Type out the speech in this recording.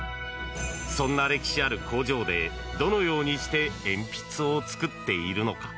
そんな歴史ある工場でどのようにして鉛筆を作っているのか？